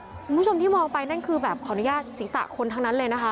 คุณผู้ชมที่มองไปนั่นคือแบบขออนุญาตศีรษะคนทั้งนั้นเลยนะคะ